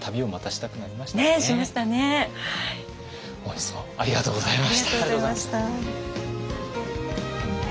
本日もありがとうございました。